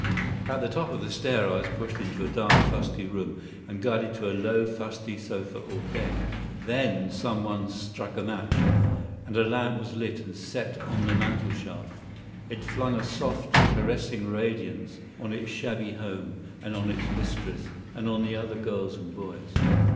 At the top of the stair I was pushed into a dark, fusty room, and guided to a low, fusty sofa or bed. Then some one struck a match, and a lamp was lit and set on the mantelshelf. It flung a soft, caressing radiance on its shabby home, and on its mistress, and on the other girls and boys.